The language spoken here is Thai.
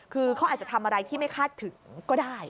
คือเขาอาจจะทำอะไรที่ไม่คาดถึงก็ได้